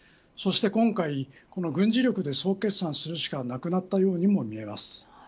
そして今回、軍事力で総決算するしかなくなったようにも見えます。